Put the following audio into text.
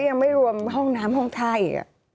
ยังไม่รวมห้องน้ำห้องไท่